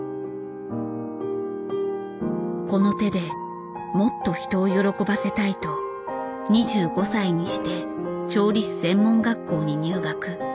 この手でもっと人を喜ばせたいと２５歳にして調理師専門学校に入学。